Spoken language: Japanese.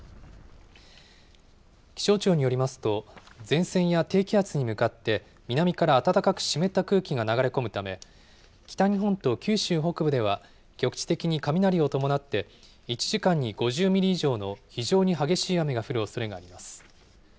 気象庁によりますと、前線や低気圧に向かって、南から暖かく湿った空気が流れ込むため、北日本と九州北部では、局地的に雷を伴って、１時間に５０ミリ以上の非常に激しい雨が降るおそれがあります。